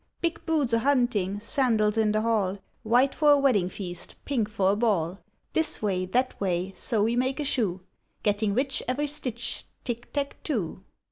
'Big boots a hunting, Sandals in the hall, White for a wedding feast, Pink for a ball. This way, that way, So we make a shoe; Getting rich every stitch, Tick tack too!'